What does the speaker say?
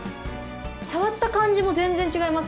触った感じも全然違います。